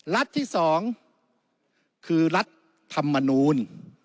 รัฐที่๒คือรัฐธรรมนูล